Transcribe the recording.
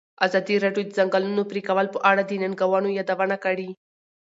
ازادي راډیو د د ځنګلونو پرېکول په اړه د ننګونو یادونه کړې.